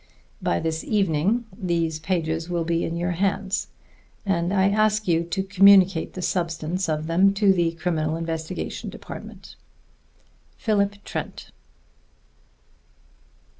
By this evening these pages will be in your hands, and I ask you to communicate the substance of them to the Criminal Investigation Department. PHILIP TRENT.